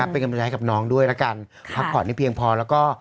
เป็นกำลังใจให้กับน้องด้วยแล้วกันพักผ่อนให้เพียงพอแล้วก็